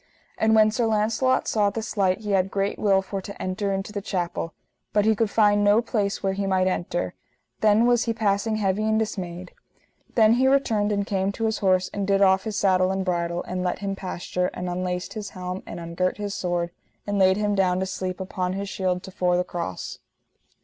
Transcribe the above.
And when Sir Launcelot saw this light he had great will for to enter into the chapel, but he could find no place where he might enter; then was he passing heavy and dismayed. Then he returned and came to his horse and did off his saddle and bridle, and let him pasture, and unlaced his helm, and ungirt his sword, and laid him down to sleep upon his shield to fore the cross.